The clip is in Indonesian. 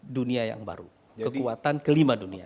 dunia yang baru kekuatan kelima dunia